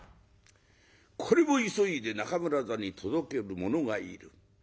これを急いで中村座に届ける者がいる。